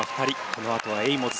このあとはエイモズ。